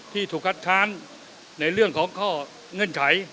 ถูกคัดค้านในเรื่องของข้อเงื่อนไข